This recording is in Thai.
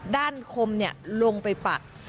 ด้านคมลงไปปัก